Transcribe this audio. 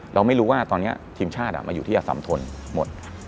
เราไม่รู้ว่าตอนนี้ทีมชาติมาอยู่ที่อสัมทนหมด